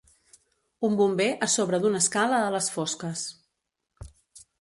Un bomber a sobre d'una escala a les fosques.